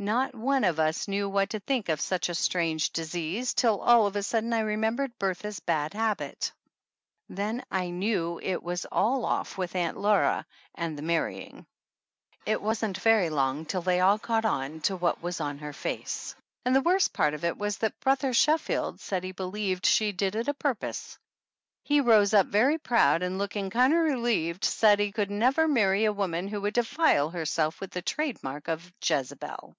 Not one of us knew what to think of such a strange disease till all of a sudden I re membered Bertha's bad habit ! And then I knew it was all off with Aunt Laura and the marry ing. It wasn't very long till they all caught on to what it was on her face ; and the worst part of it was that Brother Sheffield said he believed she did it a purpose. He rose up very proud, and looking kinder relieved and said he could never marry a woman who would "defile herself with the trade mark of Jezebel."